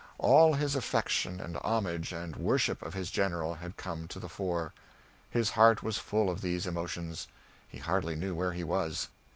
All his affection and homage and worship of his General had come to the fore. His heart was full of these emotions. He hardly knew where he was.